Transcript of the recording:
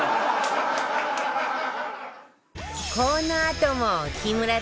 このあとも木村拓哉